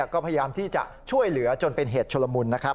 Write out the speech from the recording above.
ก็พยายามที่จะช่วยเหลือจนเป็นเหตุชุลมุนนะครับ